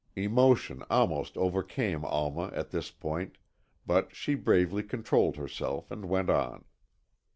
Emotion almost overcame Alma at this point, but she bravely controlled herself and went on.